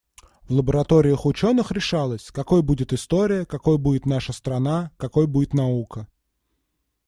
В лабораториях ученых решалось, какой будет история, какой будет наша страна, какой будет наука.